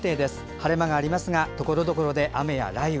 晴れ間がありますがところどころで雨や雷雨。